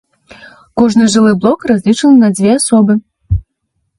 Кожны жылы блок разлічаны на дзве асобы.